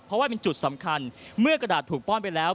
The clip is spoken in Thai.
เพราะว่าเป็นจุดสำคัญเมื่อกระดาษถูกป้อนไปแล้ว